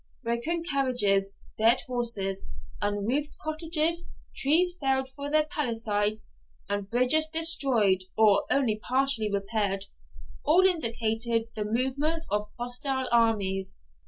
Broken carriages, dead horses, unroofed cottages, trees felled for palisades, and bridges destroyed or only partially repaired all indicated the movements of hostile armies.